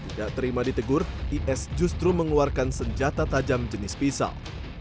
tidak terima ditegur is justru mengeluarkan senjata tajam jenis pisau